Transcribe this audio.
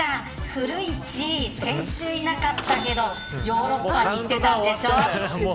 古市、先週いなかったけどヨーロッパに行ってたんでしょ。